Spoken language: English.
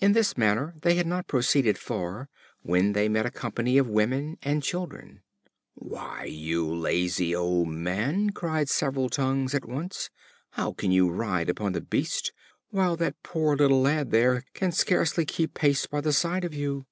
In this manner they had not proceeded far when they met a company of women and children. "Why, you lazy old fellow!" cried several tongues at once, "how can you ride upon the beast, while that poor little lad there can hardly keep pace by the side of you."